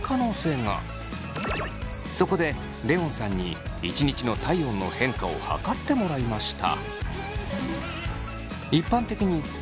そこでレオンさんに１日の体温の変化を測ってもらいました。